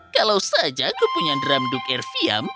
kalau saja aku punya dram duk erfiam